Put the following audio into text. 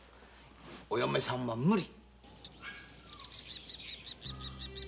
お嫁さんは無理。